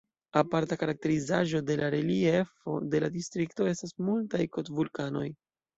Aparta karakterizaĵo de la reliefo de la distrikto estas multaj kot-vulkanoj.